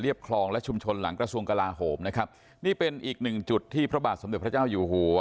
อีกหนึ่งจุดที่พระบาทสมเด็จพระเจ้าอยู่หัว